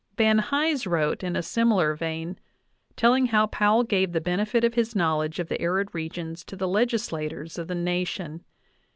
_/ Van Hise wrote in a similar vein, telling how Powell gave the benefit of his knowledge of the arid regions to the legis lators of the nation.